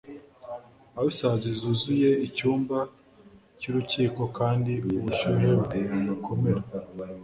aho isazi zuzura icyumba cyurukiko kandi ubushyuhe bukomera